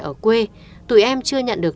ở quê tụi em chưa nhận được